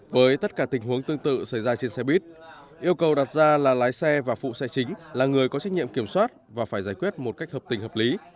với tất cả tình huống tương tự xảy ra trên xe buýt yêu cầu đặt ra là lái xe và phụ xe chính là người có trách nhiệm kiểm soát và phải giải quyết một cách hợp tình hợp lý